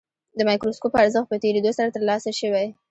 د مایکروسکوپ ارزښت په تېرېدو سره ترلاسه شوی.